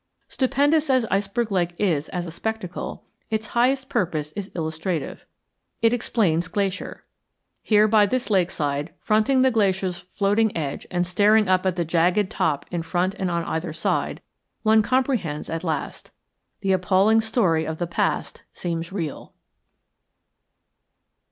Stupendous as Iceberg Lake is as a spectacle, its highest purpose is illustrative. It explains Glacier. Here by this lakeside, fronting the glacier's floating edge and staring up at the jagged top in front and on either side, one comprehends at last. The appalling story of the past seems real.